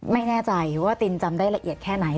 ไม่แน่ใจว่าตินจำได้ละเอียดแค่ไหน